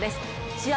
試合